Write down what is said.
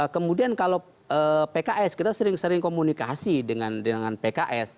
kemudian kalau pks kita sering sering komunikasi dengan pks